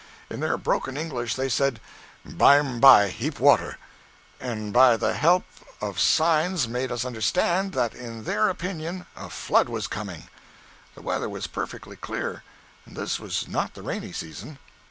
In their broken English they said, "By'm by, heap water!" and by the help of signs made us understand that in their opinion a flood was coming. The weather was perfectly clear, and this was not the rainy season.